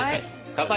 乾杯！